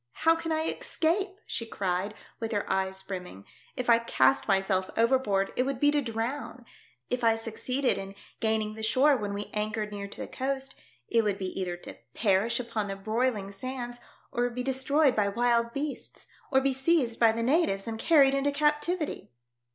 How can I escape ?" she cried, with her eyes brimming. " If I cast myself overboard, it would be to drown ; if I succeeded in gaining the shore when we anchored near to the coast, it would be either to perish upon the broiling sands, or be destroyed by wild beasts, or be seized by the natives and carried into captivity."